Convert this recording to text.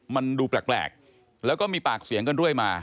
มันดูแปลกแล้วก็มีปากเสียงกันเรื่อยมา